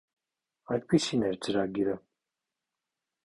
Այդպիսին էր ծրագիրը։